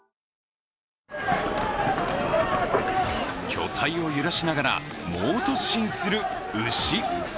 巨体を揺らしながら猛突進する牛。